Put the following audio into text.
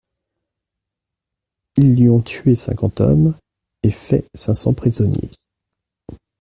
Ils lui ont tué cinquante hommes et fait cinq cents prisonniers.